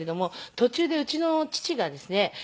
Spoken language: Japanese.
途中でうちの父がですね